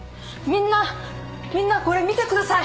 みんなこれ見てください！